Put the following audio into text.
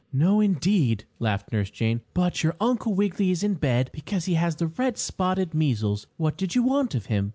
"No, indeed," laughed Nurse Jane. "But your Uncle Wiggily is in bed because he has the red spotted measles. What did you want of him?"